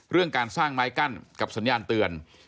เรื่องการสร้างไม้กั้นกับสัญญาณเตือน